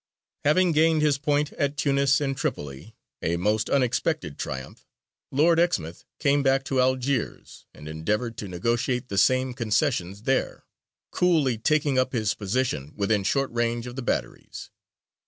Having gained his point at Tunis and Tripoli a most unexpected triumph Lord Exmouth came back to Algiers, and endeavoured to negotiate the same concessions there, coolly taking up his position within short range of the batteries.